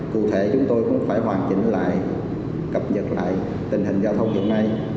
cụ thể chúng tôi cũng phải hoàn chỉnh lại cập nhật lại tình hình giao thông hiện nay